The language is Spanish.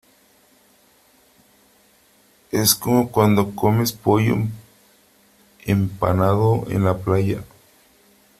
es como cuando comes pollo empanado en la playa .